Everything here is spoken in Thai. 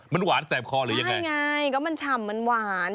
มันหวานแสบคอหรือยังไงก็มันฉ่ำมันหวาน